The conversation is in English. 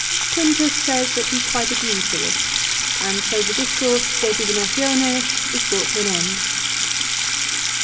Quintus says that he quite agrees to this, and so the discourse " De Divinatione " is brought to an end.